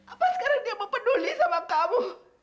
apa sekarang dia mau peduli sama kamu